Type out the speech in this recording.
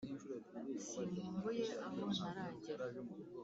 sinkumbuye aho ntaragera